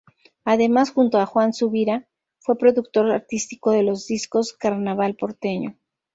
Además, junto a Juan Subirá, fue productor artístico de los discos "Carnaval Porteño".